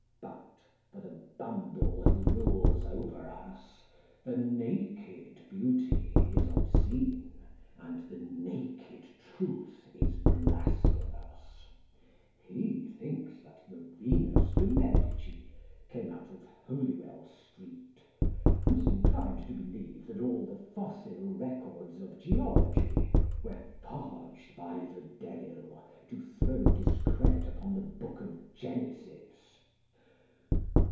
But for the Bumble who rules over us, the naked beauty is obscene and the naked truth is blasphemous; he thinks that the Venus de Medici came out of Holywell Street, and is inclined to believe that all the fossil records of geology were forged by the Devil to throw discredit upon the book of Genesis.